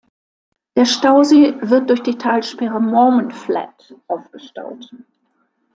Der Stausee wird durch die Talsperre Mormon Flat aufgestaut.